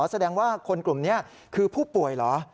แสดงว่าคนกลุ่มนี้คือผู้ป่วยเหรอ